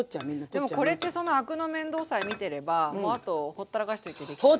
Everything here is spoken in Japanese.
でもこれってそのアクの面倒さえ見てればもうあとほったらかしといてできちゃう。